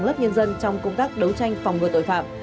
lớp nhân dân trong công tác đấu tranh phòng ngừa tội phạm